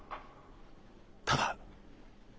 ただ。